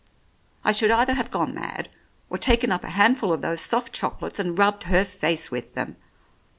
I should either have gone mad, or taken up a handful of those soft chocolates and rubbed her face with them.